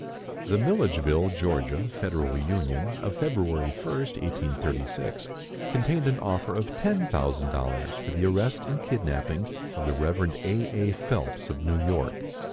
The Milledgeville (Ga.) Federal Union of February 1st, 1836, contained an offer of ten thousand dollars for the arrest and kidnapping of the Rev. A. A. Phelps, of New York.